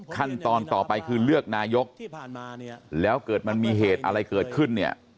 ขั้นตอนต่อไปคือเลือกนายกแล้วเกิดมันมีเหตุอะไรเกิดขึ้นเนี่ย